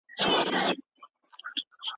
کلیوال به د زلزلې اصلي لاملونه وپېژني.